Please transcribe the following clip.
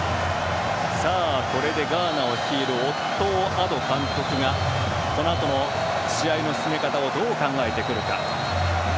これでガーナを率いるオットー・アド監督がこのあとの試合の進め方をどう考えてくるか。